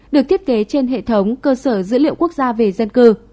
được thiết kế trên hệ thống cơ sở dữ liệu quốc gia về dân cư